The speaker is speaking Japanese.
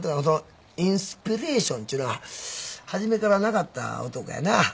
インスピレーションちゅうのは始めからなかった男やな。